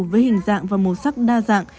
với hình dạng và màu sắc đa dạng